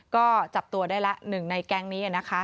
ก็จับตัวได้ละหนึ่งในแก๊งนี้นะคะ